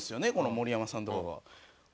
盛山さんとかが。